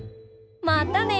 またね！